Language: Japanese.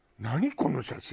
この写真。